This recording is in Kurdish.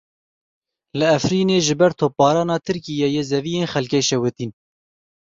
Li Efrînê ji ber topbarana Tirkiyeyê zeviyên xelkê şewitîn.